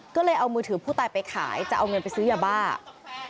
ก็เลยเอามือถือผู้ตายไปขายจะเอาเงินไปซื้อยาบ้า